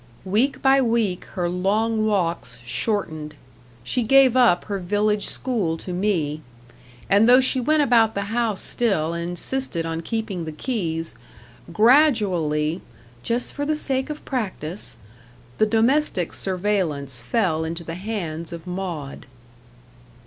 Week by week her long walks shortened; she gave up her village school to me; and though she went about the house still and insisted on keeping the keys, gradually, "just for the sake of practice," the domestic surveillance fell into the hands of Maud.